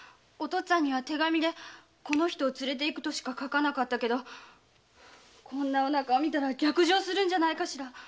お父っつぁんには手紙で「この人を連れていく」としか書かなかったけどこんなお腹を見たら逆上するんじゃないかしら？